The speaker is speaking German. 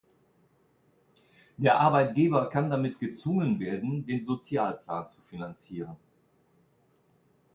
Der Arbeitgeber kann damit gezwungen werden, den Sozialplan zu finanzieren.